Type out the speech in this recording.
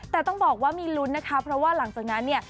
แต่ต้องบอกว่ามีลุ้นนะคะเพราะว่าหลังจากนั้นเนี่ย